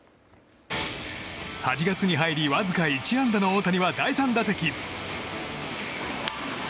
８月に入りわずか１安打の大谷は第３打席。